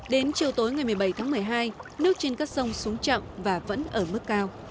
đến chiều tối ngày một mươi bảy tháng một mươi hai nước trên các sông xuống chậm và vẫn ở mức cao